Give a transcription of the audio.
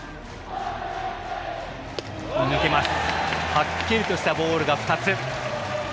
はっきりとしたボールが２つ。